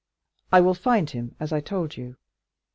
"I will find him, as I told you.